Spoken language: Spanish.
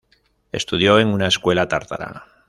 Estudió en una escuela tártara.